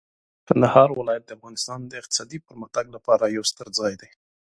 کندهار ولایت د افغانستان د اقتصادي پرمختګ لپاره یو ستر ځای دی.